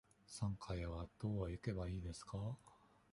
三階へはどう行けばいいですか。